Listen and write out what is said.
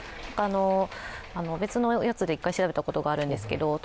別のやつで１回調べたことがあるんですけど